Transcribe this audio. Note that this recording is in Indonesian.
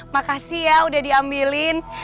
makasih ya udah diambilin